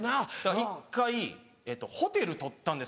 １回ホテル取ったんです